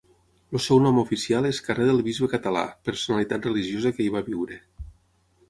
El seu nom oficial és carrer del Bisbe Català, personalitat religiosa que hi va viure.